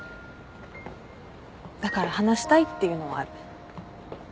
だから話したいっていうのはある。